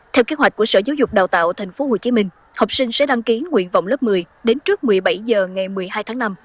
theo kế hoạch của sở giáo dục đào tạo tp hcm học sinh sẽ đăng ký nguyện vọng lớp một mươi đến trước một mươi bảy h ngày một mươi hai tháng năm